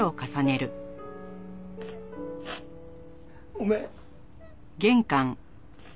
ごめん。